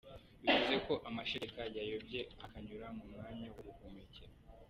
bivuze ko amashereka yayobye akanyura mu myanya y’ubuhumekero.